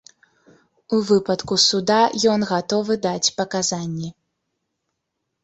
У выпадку суда ён гатовы даць паказанні.